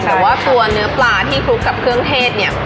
แต่ว่าตัวเนื้อปลาที่คลุกกับเครื่องเทศเนี่ย